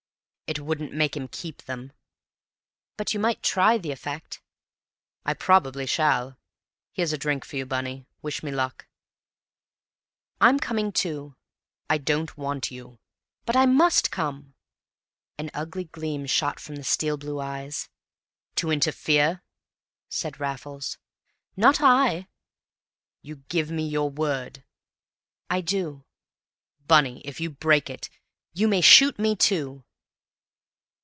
"It wouldn't make him keep them." "But you might try the effect?" "I probably shall. Here's a drink for you, Bunny. Wish me luck." "I'm coming too." "I don't want you." "But I must come!" An ugly gleam shot from the steel blue eyes. "To interfere?" said Raffles. "Not I." "You give me your word?" "I do." "Bunny, if you break it " "You may shoot me, too!"